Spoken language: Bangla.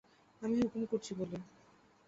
আমি হুকুম করছি বলে।